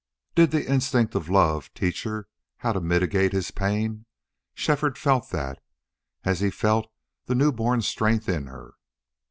Did the instinct of love teach her how to mitigate his pain? Shefford felt that, as he felt the new born strength in her.